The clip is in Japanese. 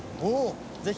ぜひ。